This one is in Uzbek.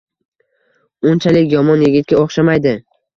Unchalik yomon yigitga o`xshamaydi